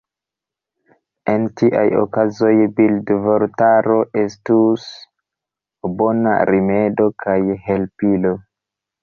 En tiaj okazoj, bildvortaro estus bona rimedo kaj helpilo.